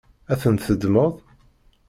Ad ten-teddmeḍ?